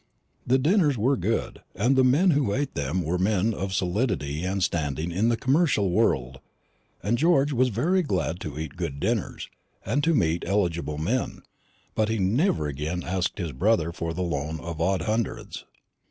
The dinners were good, and the men who ate them were men of solidity and standing in the commercial world; and George was very glad to eat good dinners, and to meet eligible men; but he never again asked his brother for the loan of odd hundreds.